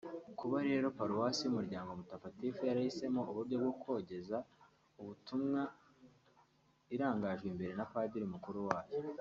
Kuba rero Paruwasi y’Umuryango Mutafatifu yarahisemo ubu buryo bwo kogeza ubutumwa irangajwe imbere na Padiri Mukuru wayo